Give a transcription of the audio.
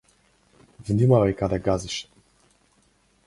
Внимавај каде газиш!